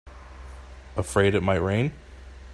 Afraid it might rain?